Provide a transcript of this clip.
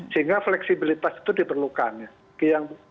sehingga fleksibilitas itu diperlukan